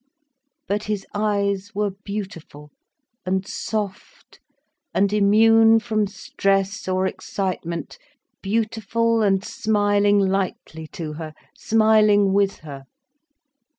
But his eyes were beautiful and soft and immune from stress or excitement, beautiful and smiling lightly to her, smiling with her.